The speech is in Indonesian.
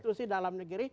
institusi dalam negeri